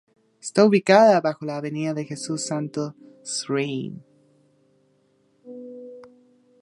Está ubicada bajo la avenida de Jesús Santos Rein.